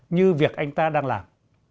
như việc anh ta đang làm